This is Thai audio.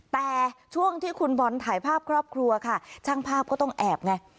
แต่ช่วงที่คุณบอลถ่ายภาพครอบครัวค่ะช่างภาพก็ต้องแอบไง